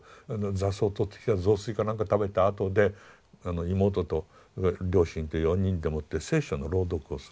雑草をとってきた雑炊かなんか食べたあとで妹と両親と４人でもって聖書の朗読をする。